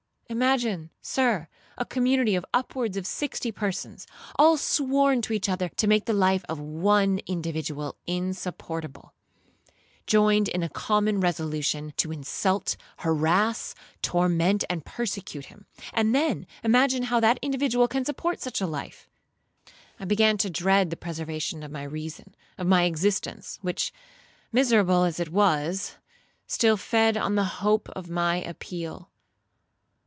Imagine, Sir, a community of upwards of sixty persons, all sworn to each other to make the life of one individual insupportable; joined in a common resolution to insult, harass, torment, and persecute him; and then imagine how that individual can support such a life. I began to dread the preservation of my reason—of my existence, which, miserable as it was, still fed on the hope of my appeal.